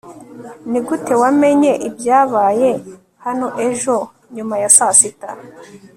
nigute wamenye ibyabaye hano ejo nyuma ya saa sita